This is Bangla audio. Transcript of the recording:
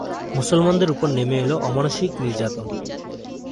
মুসলমানদের উপর নেমে এল অমানুষিক নির্যাতন।